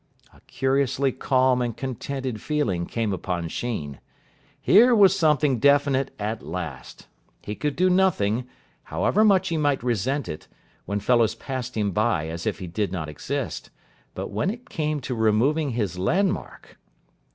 A curiously calm and contented feeling came upon Sheen. Here was something definite at last. He could do nothing, however much he might resent it, when fellows passed him by as if he did not exist; but when it came to removing his landmark....